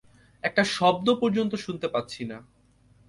একটা শব্দ পর্যন্ত শুনতে পাচ্ছি না।